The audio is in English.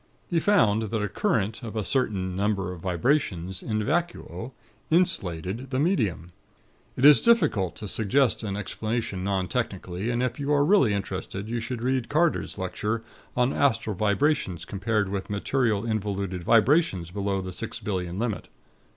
He found that a current, of a certain number of vibrations, in vacuo, 'insulated' the medium. It is difficult to suggest an explanation non technically, and if you are really interested you should read Carder's lecture on 'Astral Vibrations Compared with Matero involuted Vibrations below the Six Billion Limit.'